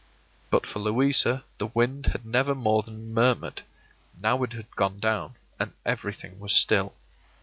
But for Louisa the wind had never more than murmured; now it had gone down, and everything was still.